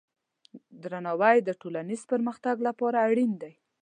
درناوی د ټولنیز پرمختګ لپاره اړین دی.